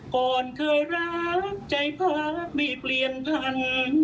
ก่อนเคยรักใจพักไม่เปลี่ยนพัน